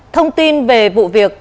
thông tin về vụ việc